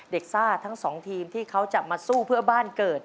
ซ่าทั้งสองทีมที่เขาจะมาสู้เพื่อบ้านเกิด